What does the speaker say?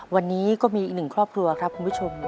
วันนี้ก็มีอีกหนึ่งครอบครัวครับคุณผู้ชม